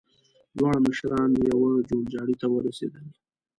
دواړه مشران يوه جوړجاړي ته ورسېدل.